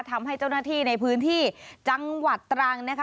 ทำให้เจ้าหน้าที่ในพื้นที่จังหวัดตรังนะคะ